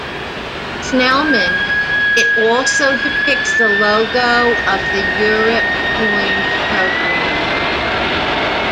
Snellman, It also depicts the logo of the Europe Coins Programme.